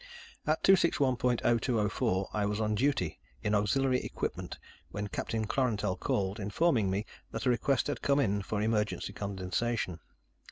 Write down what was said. At 261.0204, I was on duty in Auxiliary Equipment when Captain Klorantel called, informing me that a request had come in for emergency condensation.